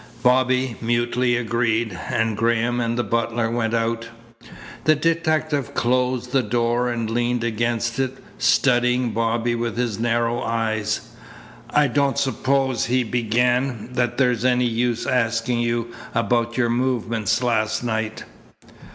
Bobby mutely agreed, and Graham and the butler went out. The detective closed the door and leaned against it, studying Bobby with his narrow eyes. "I don't suppose," he began, "that there's any use asking you about your movements last night?"